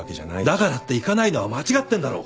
だからって行かないのは間違ってんだろ。